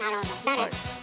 誰？